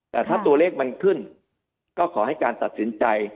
แต่ถ้าตัวเลขมันขึ้นก็ขอให้การตัดสินใจ